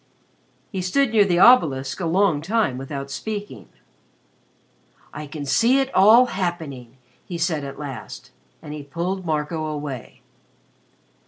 He stood near the Obelisk a long time without speaking. "I can see it all happening," he said at last, and he pulled Marco away.